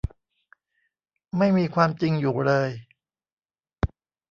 ไม่มีความจริงอยู่เลย